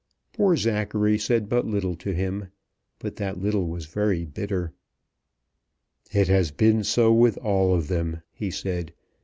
Poor Zachary said but little to him; but that little was very bitter. "It has been so with all of them," he said.